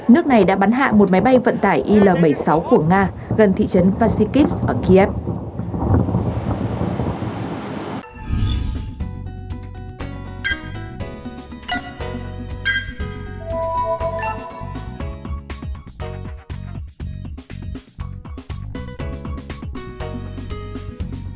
nước này đã bắn hạ một máy bay vận tải il bảy mươi sáu của nga gần thị trấn fasikivs ở kiev